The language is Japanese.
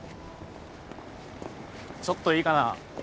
ちょっといいかな？